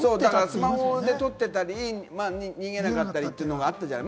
スマホで撮ってたり、逃げなかったりってのもあったじゃない。